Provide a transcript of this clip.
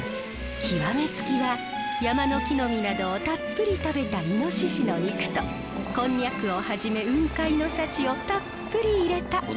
極め付きは山の木の実などをたっぷり食べたイノシシの肉とコンニャクをはじめ雲海の幸をたっぷり入れた。